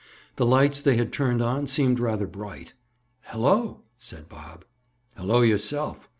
The lights they had turned on seemed rather bright. "Hello!" said Bob. "Hello yourself!"